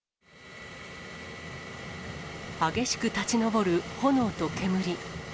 激しく立ち上る炎と煙。